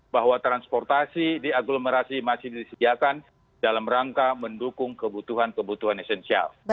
bahwa transportasi di aglomerasi masih disediakan dalam rangka mendukung kebutuhan kebutuhan esensial